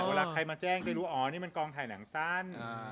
สามารถใครมาแจ้งก็รู้ว่าดีแปลกับกองถ่ายหนังสั้น